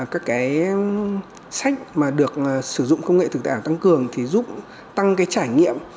các cái sách mà được sử dụng công nghệ thực tạp tăng cường thì giúp tăng cái trải nghiệm